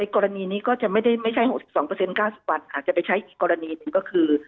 กรณีนี้ก็จะไม่ใช่๖๒๙๐วันอาจจะไปใช้อีกกรณีหนึ่งก็คือ